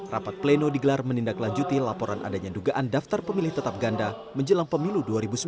rapat pleno digelar menindaklanjuti laporan adanya dugaan daftar pemilih tetap ganda menjelang pemilu dua ribu sembilan belas